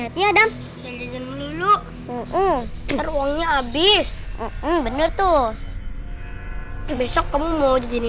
sampai jumpa di video selanjutnya